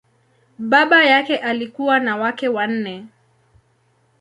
Baba yake alikuwa na wake wanne.